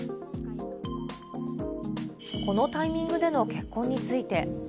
このタイミングでの結婚について。